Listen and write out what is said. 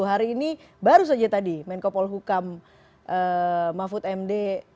hari ini baru saja tadi menko polhukam mahfud md